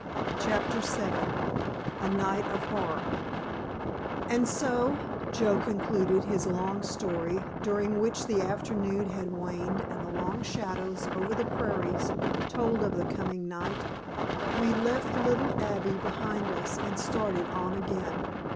*CHAPTER VII* *A NIGHT OF HORROR* "And so," Joe concluded his long story, during which the afternoon had waned and the long shadows over the prairies told of the coming night, "we left little Abby behind us and started on again.